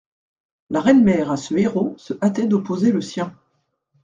La reine mère à ce héros se hâtait d'opposer le sien.